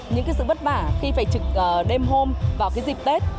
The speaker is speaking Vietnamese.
những sự vất vả khi phải trực đêm hôm vào dịp tết